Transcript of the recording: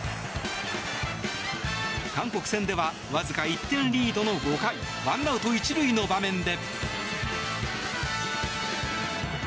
韓国戦では、わずか１点リードの５回ワンアウト１塁の場面で。